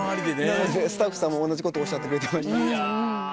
なのでスタッフさんも同じことおっしゃってくれてました。